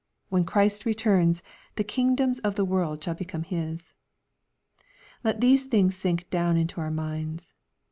When Christ returns, the kingdoms of the world shall become His. Let these things sink down into our minds.